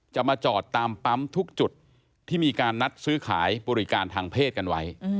จะมาจอดตามปั๊มทุกจุดที่มีการนัดซื้อขายบริการทางเพศกันไว้